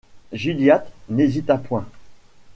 Gilliatt n’hésita point.